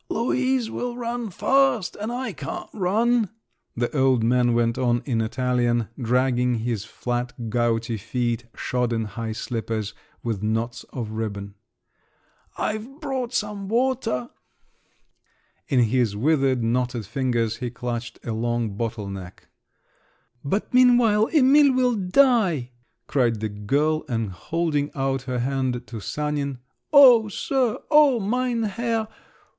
"Luise will run fast, and I can't run," the old man went on in Italian, dragging his flat gouty feet, shod in high slippers with knots of ribbon. "I've brought some water." In his withered, knotted fingers, he clutched a long bottle neck. "But meanwhile Emil will die!" cried the girl, and holding out her hand to Sanin, "O, sir, O mein Herr!